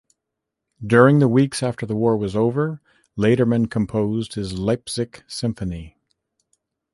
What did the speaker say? During the weeks after the war was over, Laderman composed his Leipzig Symphony.